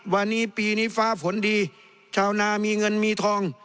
วันนี้ปีนี้ฟ้าฝนดีชาวนามีเงินมีทอง